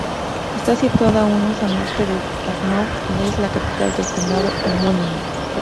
Está situada unos al norte de Tarnów, y es la capital del condado homónimo.